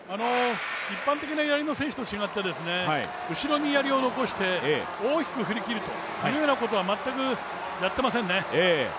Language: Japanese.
一般的なやりの選手と違って、後ろにやりを残して大きく振りきるというようなことは全くやっていませんね。